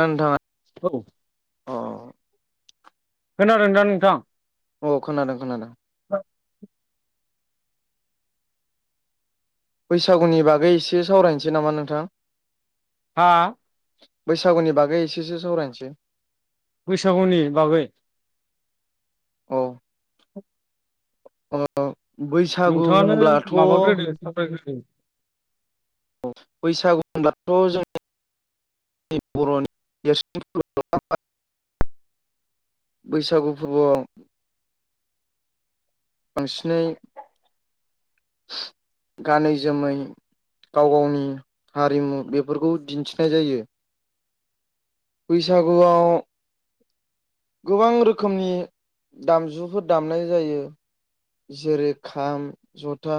नोंथाङा औ अ खोनादों दा नोंथां? औ खोनादों खोनादों बैसागुनि बागै एसे सावरायनोसै नामा नोंथां? हा बैसागुनि बागै एसेसो सावरायनोसै बैसागुनि बागै औ ओ बैसागु नोंथाङानो होनब्लाथ' माबाग्रोदो सावरायग्रोदो औ बैसागु होनब्लाथ' जोंङो बर'नि देरसिन [unintelligible] बैसागु फोरबोआव बांसिनै गानै जोमै गाव गावनि हारिमु बेफोरखौ दिन्थिनाय जायो। बैसागुआव गोबां रोखोमनि दामजुफोर दामनाय जायो जेरै -खाम, जथा,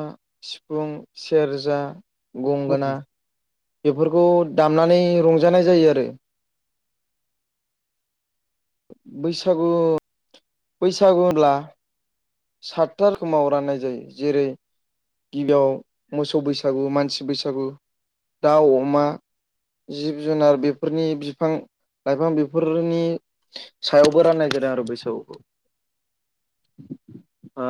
सिफुं, सेरजा गंगोना बेफोरखौ दामनानै रंजानाय जायो आरो। बैसागु बैसागु होनब्ला सातथा रोखोमाव राननाय जायो जेरै गिबियाव मोसौ बैसागु, मानसि बैसागु, दाउ, अमा- जिब-जुनार बेफोरनि बिफां-लाइफां बेफोरनि सायावबो राननाय जादों आरो बैसागुखौ। ओ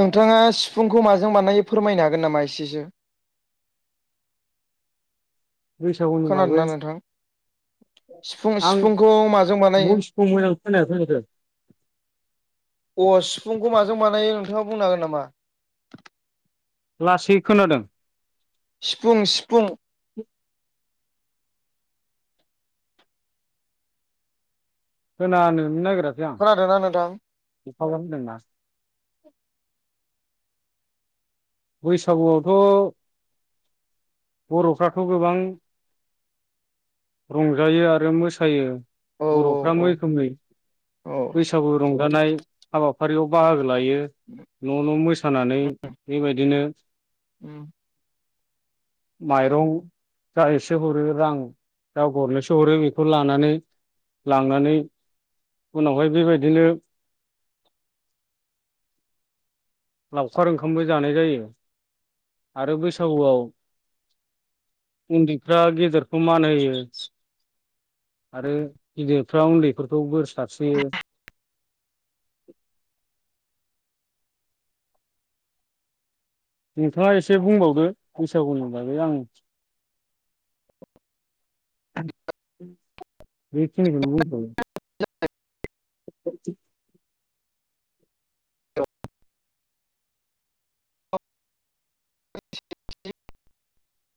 नोंथाङा सिफुंखौ माजों बानायो फोरमायनो हागोन नामा एसेसो [unintelligible] खौ मोजां खोनादोंना नोंथां सिफुं सिफुंखौ माजों बानायो खोनायाखै होनदो अ सिफुंखौ माजों बानायो नोंथाङा बुंनो हागोन नामा लासै खोनादों सिफुं सिफुं [inaudible] खोनानोनो नागिरा खोनादोंना नोंथां [unintelligible] बैसागुआवथ' बर'फ्राथ' गोबां रंजायो आरो मोसायो औ औ बरफ्रा औ मैखोमै औ बैसागु रंजानाय हाबाफारियाव बाहागो लायो न' न' मोसानानै बेबायदिनो उम माइरं जा एसे हरो रां जा गरनैसो हरो बेखौ लानानै लांनानै उनावहाय बेबायदिनो लावखार ओंखामबो जानाय जायो आरो बैसागुआव उन्दैफ्रा गेदेरखौ मान होयो। आरो गिदिरफ्रा उन्दैफोरखौ बोर सारस्रियो। नोंथाङा एसे बुंबावदो बैसागुनि बागै आं। [unintelligible] [unintelligible] [unintelligible]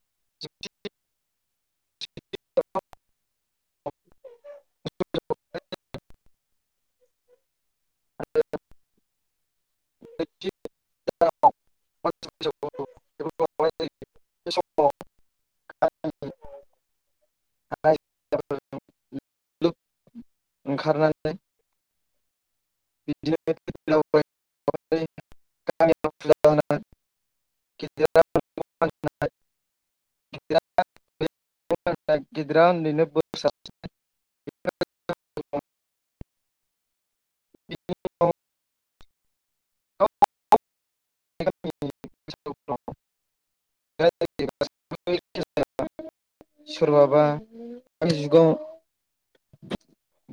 [unintelligible] [unintelligible] [unintelligible] [unintelligible] [unintelligible] [unintelligible] [unintelligible] गिदिरा उन्दैनो बोरसास्रि। [unintelligible] [unintelligible] [unintelligible] सोरबाबा दानि जुगाव।